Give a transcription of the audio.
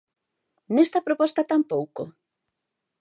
¿Nesta proposta tampouco?